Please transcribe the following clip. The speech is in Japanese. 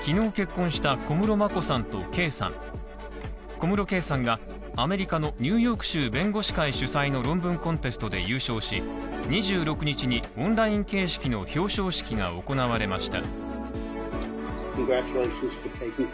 小室圭さんがアメリカのニューヨーク州弁護士会主催の論文コンテストで優勝し、２６日にオンライン形式の表彰式が行われました。